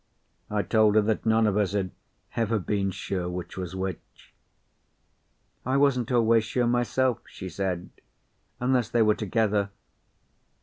I told her that none of us had ever been sure which was which. "I wasn't always sure myself," she said, "unless they were together.